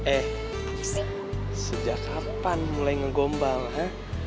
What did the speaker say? eh sejak kapan mulai ngegombal ya